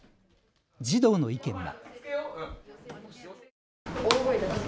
児童の意見は。